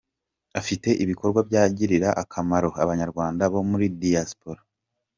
afite ibikorwa byagirira akamaro abanyarwanda bo muri Diaspora.